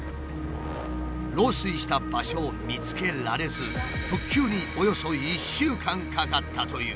漏水した場所を見つけられず復旧におよそ１週間かかったという。